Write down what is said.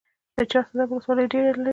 د چهارسده ولسوالۍ لیرې ده